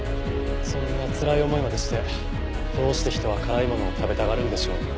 そんなつらい思いまでしてどうして人は辛いものを食べたがるんでしょうね。